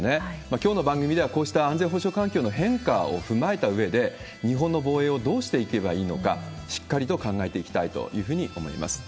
きょうの番組では、こうした安全保障環境の変化を踏まえたうえで、日本の防衛をどうしていけばいいのか、しっかりと考えていきたいというふうに思い